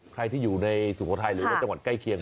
ใครที่อยู่ในสุโขทัยหรือในจังหวัดใกล้เคียง